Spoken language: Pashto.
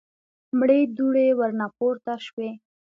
مړې دوړې ورنه پورته شوې.